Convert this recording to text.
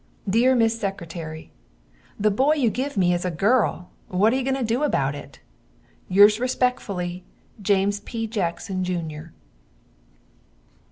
Deer miss Secretary, The boy you give me is a girl What are you going to do about it? Yours respekfully, James P. Jackson Jr.